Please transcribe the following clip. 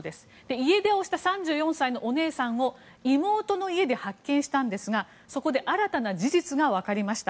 家出した３４歳のお姉さんを妹の家で発見したんですが、そこで新たな事実が分かりました。